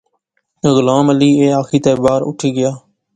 غلام علی ایہہ آخی تہ اٹھی باہر گیا